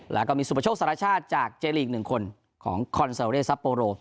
แล้วก็มีสุปโชคสรรชาติจากเจรียร์อีกหนึ่งคนของคอนเซลเลสัปโปโร